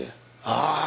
ああ。